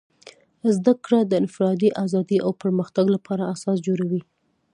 زدهکړه د انفرادي ازادۍ او پرمختګ لپاره اساس جوړوي.